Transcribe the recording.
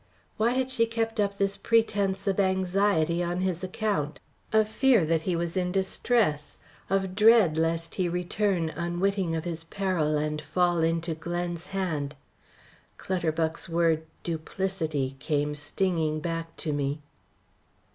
Why had she kept up this pretence of anxiety on his account, of fear that he was in distress, of dread lest he return unwitting of his peril and fall into Glen's hand? Clutterbuck's word "duplicity" came stinging back to me.